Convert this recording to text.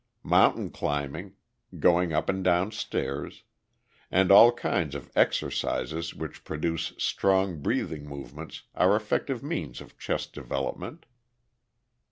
Mountain climbing, going up and down stairs, and all kinds of exercises which produce strong breathing movements are effective means of chest development.